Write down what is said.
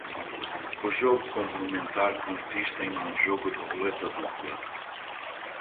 O jogo complementar consiste em um jogo de roleta dupla.